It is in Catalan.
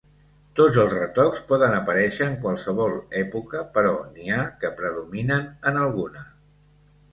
Tots els retocs poden aparèixer en qualsevol època però n'hi ha que predominen en alguna.